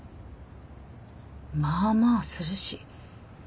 まあまあするし。